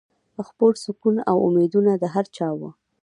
خپور سکون و امیدونه د هر چا وه